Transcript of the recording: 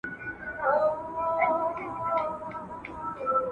کمېسیونونه څومره واک لري؟